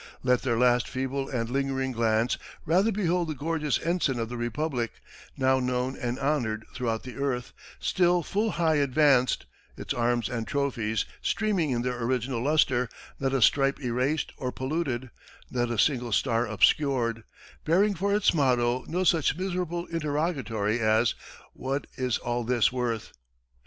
Let their last feeble and lingering glance rather behold the gorgeous ensign of the Republic, now known and honored throughout the earth, still full high advanced, its arms and trophies streaming in their original lustre, not a stripe erased or polluted, nor a single star obscured, bearing for its motto no such miserable interrogatory as 'What is all this worth'?